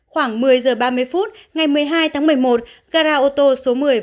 khoảng một mươi h ba mươi phút ngày một mươi hai tháng một mươi một gara ô tô số một mươi võ trí công